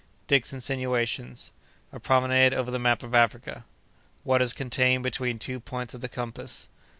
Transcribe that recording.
—Dick's Insinuations.—A Promenade over the Map of Africa.—What is contained between two Points of the Compass.